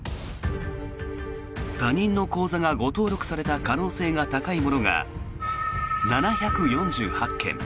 他人の口座が誤登録された可能性が高いものが７４８件。